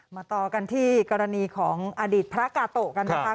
มาต่อกันที่กรณีของอดีตพระกาโตะกันนะคะ